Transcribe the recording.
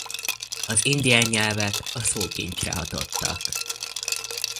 Az indián nyelvek a szókincsre hatottak.